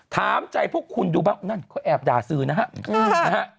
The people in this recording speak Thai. ถามใจพวกคุณดูบ้างนั่นเขาแอบด่าสื่อนะฮะ